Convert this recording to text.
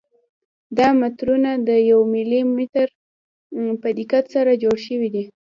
دا مترونه د یو ملي متر په دقت سره جوړ شوي دي.